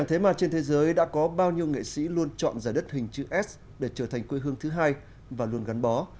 thế mà trên thế giới đã có bao nhiêu nghệ sĩ luôn chọn giải đất hình chữ s để trở thành quê hương thứ hai và luôn gắn bó